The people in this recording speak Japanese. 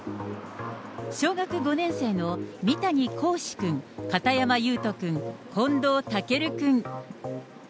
小学５年生の三谷光志君、片山祐人君、近藤健君。